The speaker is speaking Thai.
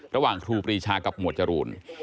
ระหว่างครูปรีชากับหมวดจรูล